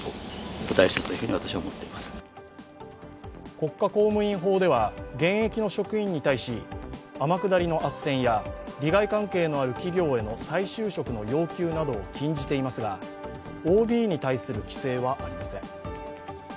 国家公務員法では現役の職員に対し天下りのあっせんや利害関係のある企業への再就職の要求などを禁じていますが、ＯＢに対する規制はありません。